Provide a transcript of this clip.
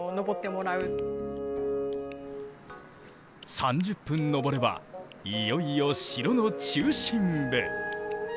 ３０分登ればいよいよ城の中心部。